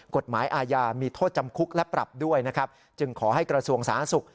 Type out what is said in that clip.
กฎหมายอาญามีโทษจำคุกและปรับด้วยนะครับจึงขอให้กระทรวงสาธารณสุข